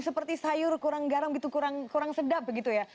seperti sayur kurang garam gitu kurang sedap begitu ya